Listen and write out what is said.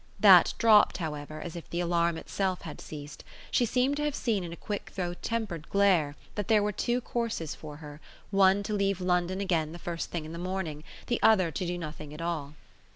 That dropped, however, as if the alarm itself had ceased; she seemed to have seen in a quick though tempered glare that there were two courses for her, one to leave London again the first thing in the morning, the other to do nothing at all.